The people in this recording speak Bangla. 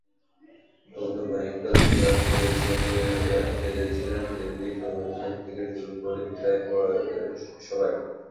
বন্ধু মাইকেল ক্লার্ক কেঁদেছিলেন, কেঁদেছিলেন ডেভিড ওয়ার্নার থেকে শুরু করে প্রায় সবাই।